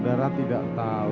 sudara tidak tahu